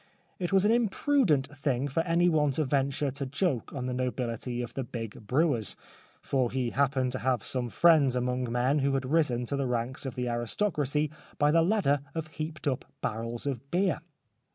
It was an imprudent thing for anyone to venture to joke on the nobility of the big brewers, for he happened to have some friends among men who had risen to the ranks of the aristocracy by the ladder of heaped up barrels of beer.